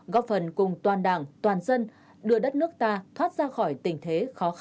góp phần cùng toàn đảng toàn dân đưa đất nước ta thoát ra khỏi tình thế